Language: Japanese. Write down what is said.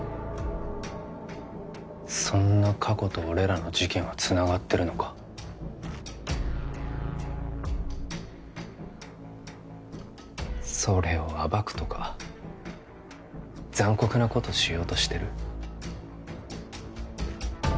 そんな過去と俺らの事件はつながってるのかそれを暴くとか残酷なことしようとしてる？